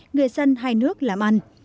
người dân hai nước làm ăn